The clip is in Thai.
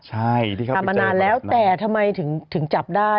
ใช่ที่เขาปิดใจมาแล้วทำมานานแล้วแต่ทำไมถึงจับได้